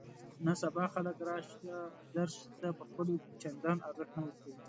نن سبا خلک راشه درشې ته په خپلو کې چندان ارزښت نه ورکوي.